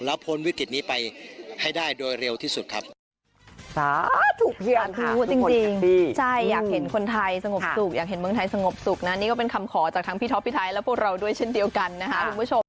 แล้วพ้นวิกฤตนี้ไปให้ได้โดยเร็วที่สุดครับ